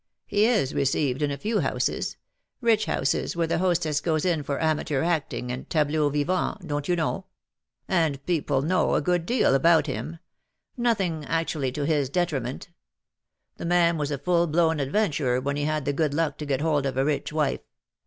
'' He is received in a few houses — rich houses where the hostess goes in for amateur acting and tableaux vivants, don^t you know; and people know a good deal about him — nothing actually to his '^ I WILL HAVE NO MERCY ON HIM/' 123 detriment. The man was a full blown adventurer when he had the good luck to get hold of a rich wife.